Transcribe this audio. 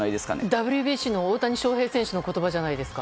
ＷＢＣの大谷翔平選手の言葉じゃないですか！